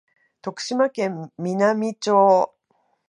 徳島県美波町